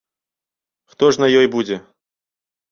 Хто ж на ёй будзе?